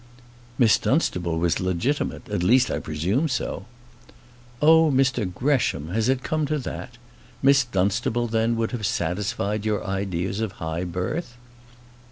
"Miss Dunstable was legitimate; at least, I presume so." "Oh, Mr Gresham! has it come to that? Miss Dunstable, then, would have satisfied your ideas of high birth?"